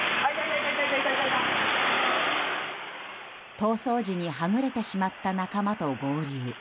逃走時にはぐれてしまった仲間と合流。